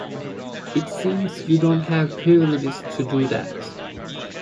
It seems you don't have privileges to do that!